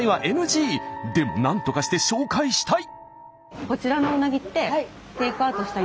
でもなんとかして紹介したい。